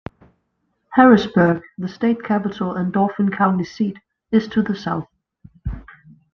Harrisburg, the state capital and Dauphin County seat, is to the south.